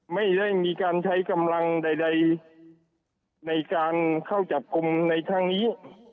ไม่ได้มีการใช้กำลังใดในการเข้าจับกลุ่มในทางนี้